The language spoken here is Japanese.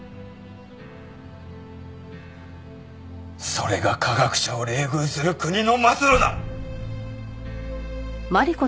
それが科学者を冷遇する国の末路だ！